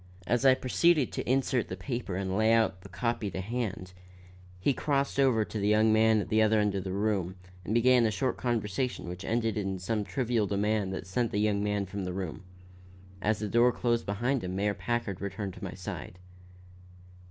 As I proceeded to insert the paper and lay out the copy to hand, he crossed over to the young man at the other end of the room and began a short conversation which ended in some trivial demand that sent the young man from the room. As the door closed behind him Mayor Packard returned to my side.